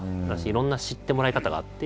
いろんな知ってもらい方があって。